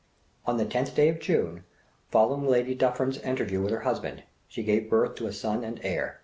On the tenth day of June, following Lady Dunfern's interview with her husband, she gave birth to a son and heir.